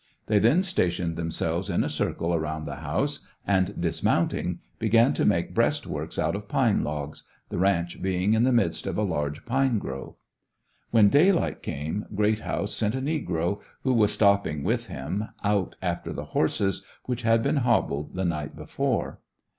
They then stationed themselves in a circle around the house and, dismounting, began to make breast works out of pine logs the ranch being in the midst of a large pine grove. When day light came Greathouse sent a negro, who was stopping with him, out after the horses which had been hobbled the night before.